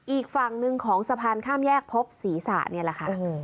อีกฝั่งหนึ่งของสะพานข้ามแยกพบศีรษะนี่แหละค่ะ